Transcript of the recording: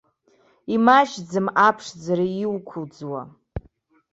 Имаҷҩым, аԥшӡара, иуқәӡуа.